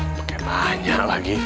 pake banyak lagi